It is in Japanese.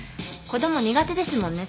子供苦手ですもんね。